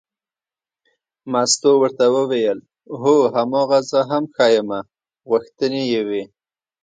مستو ورته وویل هو هماغه زه هم ښیمه غوښتنې یې وې.